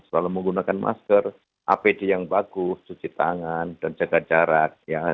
selalu menggunakan masker apd yang bagus cuci tangan dan jaga jarak